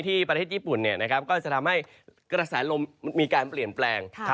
ประเทศญี่ปุ่นก็จะทำให้กระแสลมมีการเปลี่ยนแปลง